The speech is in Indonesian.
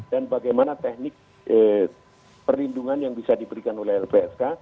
bagaimana teknik perlindungan yang bisa diberikan oleh lpsk